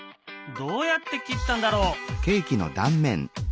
どうやって切ったんだろう？